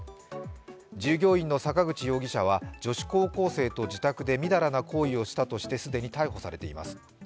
従業員の坂口容疑者は女子高校生と自宅でみだらな行為をしたとして既に逮捕されています。